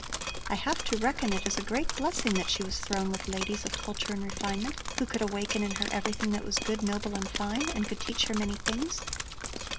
"I have to reckon it as a great blessing that she was thrown with ladies of culture and refinement, who could awaken in her everything that was good, noble and fine, and could teach her many things.